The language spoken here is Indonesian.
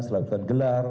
setelah dilakukan gelar